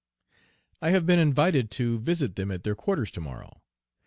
I have been invited to visit them at their quarters to morrow.